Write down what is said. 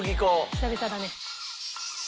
久々だね。